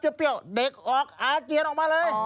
เปรี้ยวเด็กออกอาเจียนออกมาเลย